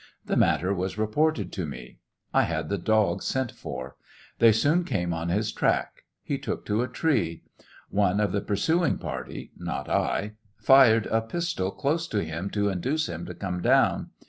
The matter was reported to me. I had the dogs sent for. They soon came on his track. He took to a tree. One of the pursuing party (not I) fired a pistol close to him to induce him to come down.